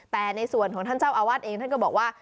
แต่ในส่วนของท่านเจ้าอาวาสเองท่านก็บอกว่า